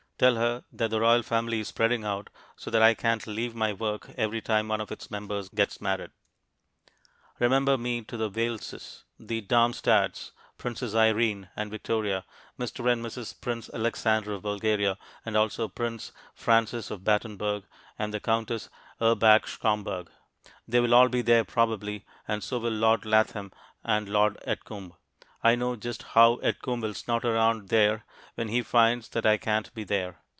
Tell her that the royal family is spreading out so that I can't leave my work every time one of its members gets married. Remember me to the Waleses, the Darmstadts, Princess Irene and Victoria, Mr. and Mrs. Prince Alexander of Bulgaria, also Prince Francis of Battenberg and the Countess Erbach Schomberg. They will all be there probably, and so will Lord Latham and Lord Edgcumbe. I know just how Edgcumbe will snort around there when he finds that I can't be there.